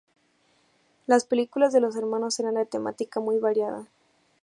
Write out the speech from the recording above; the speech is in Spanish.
Las películas de los hermanos eran de temática muy variada.